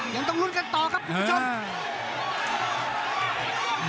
ยังต้องลุ้นกันต่อครับคุณผู้ชม